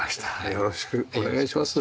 よろしくお願いします。